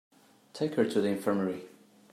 Take her to the infirmary.